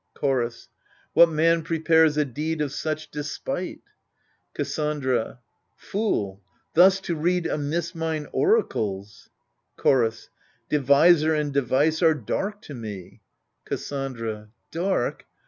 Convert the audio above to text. Chorus What man prepares a deed of such despite ? Cassandra Fool ! thus to read amiss mine oracles. Chorus Deviser and device are dark to mp. Cassandra Dark